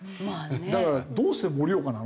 だからどうして盛岡なの？